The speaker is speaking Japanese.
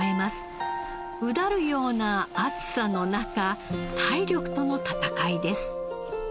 うだるような暑さの中体力との闘いです。